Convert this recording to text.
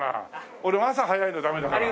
俺も朝早いのダメだから。